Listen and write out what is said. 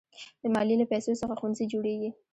د مالیې له پیسو څخه ښوونځي جوړېږي.